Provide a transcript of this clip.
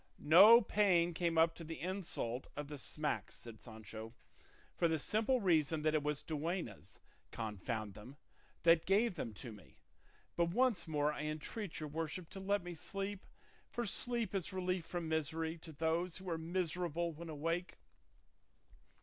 "No pain came up to the insult of the smacks," said Sancho, "for the simple reason that it was duennas, confound them, that gave them to me; but once more I entreat your worship to let me sleep, for sleep is relief from misery to those who are miserable when awake."